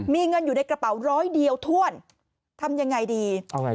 มีเงินอยู่ในกระเป๋าร้อยเดียวถ้วนทำอย่างไรดี